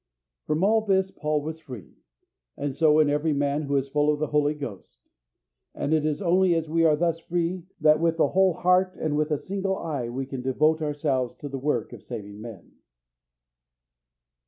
From all this Paul was free, and so is every man who is full of the Holy Ghost. And it is only as we are thus free that with the whole heart and with a single eye we can devote ourselves to the work of saving men.